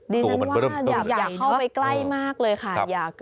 ดิฉันว่าอยากเข้าไปใกล้มากเลยค่ะ